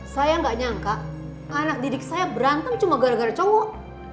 saya nggak nyangka anak didik saya berantem cuma gara gara cowok